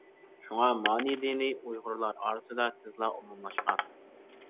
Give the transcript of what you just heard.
شۇڭا مانى دىنى ئۇيغۇرلار ئارىسىدا تېزلا ئومۇملاشقان.